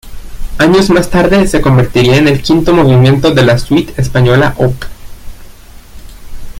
Años más tarde se convertiría en el quinto movimiento de la "Suite española Op.